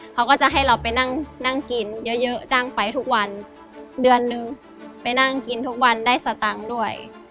เขาก็จะให้เราไปนั่งกินเยอะจ้างไปทุกวันเดือนนึงไปนั่งกินทุกวันได้สตังค์ด้วย